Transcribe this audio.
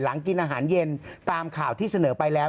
กินอาหารเย็นตามข่าวที่เสนอไปแล้ว